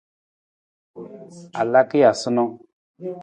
A laka ja sanang ?